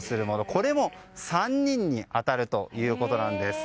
これも３人に当たるということなんです。